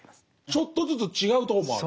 ちょっとずつ違うとこもある？